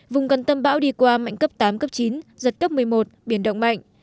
vùng gần tâm bão đi qua mạnh cấp tám cấp chín giật cấp một mươi một biển động mạnh